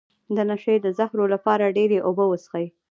د نشې د زهرو لپاره ډیرې اوبه وڅښئ